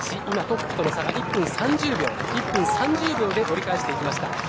今、トップとの差が１分３０秒で折り返していきました。